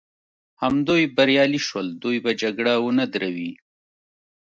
همدوی بریالي شول، دوی به جګړه ونه دروي.